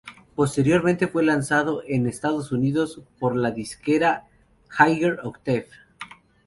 Posteriormente fue lanzado en Estados Unidos, por la disquera Higher Octave.